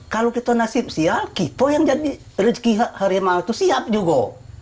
kalau kita nasib siap kito yang jadi rezeki harimau itu siap juga